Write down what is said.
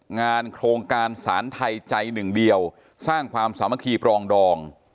งานโครงการสารไทยใจหนึ่งเดียวสร้างความสามัคคีปรองดอง